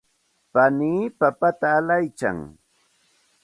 panii papata allaykan.